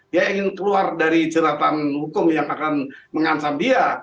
dia ingin keluar dari jeratan hukum yang akan mengancam dia